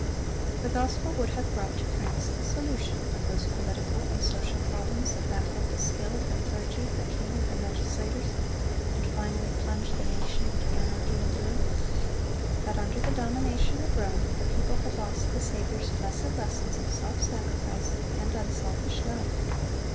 The gospel would have brought to France the solution of those political and social problems that baffled the skill of her clergy, her king, and her legislators, and finally plunged the nation into anarchy and ruin. But under the domination of Rome the people had lost the Saviour's blessed lessons of self sacrifice and unselfish love.